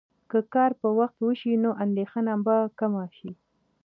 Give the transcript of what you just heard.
که کار په وخت وشي، نو اندېښنه به کمه شي.